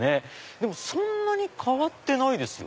でもそんなに変わってないですよ